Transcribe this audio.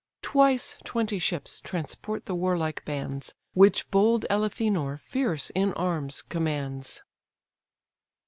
Twice twenty ships transport the warlike bands, Which bold Elphenor, fierce in arms, commands.